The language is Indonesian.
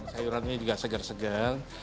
sayuran ini juga segar segar